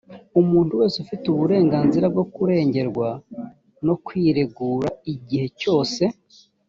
umuntu wese afite uburenganzira bwo kurengerwa no kwiregura igihe cyose